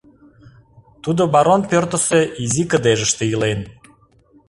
Тудо барон пӧртысӧ изи кыдежыште илен.